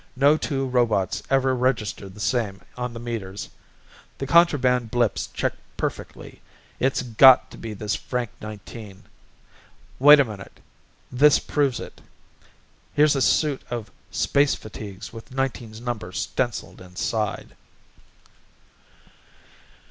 No two robots ever register the same on the meters. The contraband blips check perfectly. It's got to be this Frank Nineteen. Wait a minute, this proves it. Here's a suit of space fatigues with Nineteen's number stenciled inside."